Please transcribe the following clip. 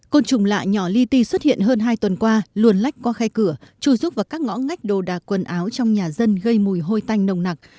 côn trùng lạ nhỏ ly ti xuất hiện hơn hai tuần qua luồn lách qua khai cửa trùi rút vào các ngõ ngách đồ đạc quần áo trong nhà dân gây mùi hôi tanh nồng nặc